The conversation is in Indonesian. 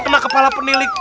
eh kena kepala penilik